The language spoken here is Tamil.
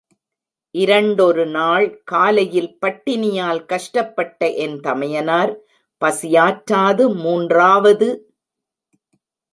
இரண்டொரு நாள் காலையில் பட்டினியால் கஷ்டப்பட்ட என் தமயனார் பசியாற்றாது மூன்றாவது!